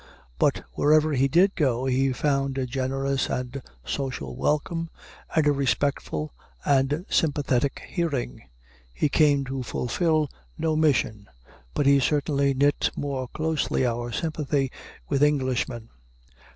But wherever he did go he found a generous and social welcome, and a respectful and sympathetic hearing. He came to fulfill no mission, but he certainly knit more closely our sympathy with Englishmen.